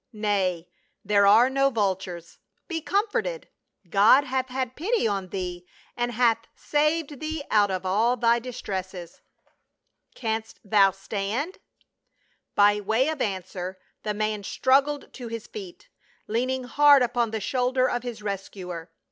Nay, there are no vultures. Be comforted. God hath had pity on thee and hath saved thee out of all thy distresses. Canst thou stand?" By way of answer, the man struggled to his feet, leaning hard upon the shoulder of his rescuer.